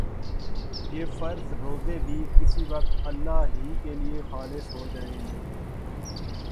یہ فرض روزے بھی کسی وقت اللہ ہی کے لیے خالص ہو جائیں گے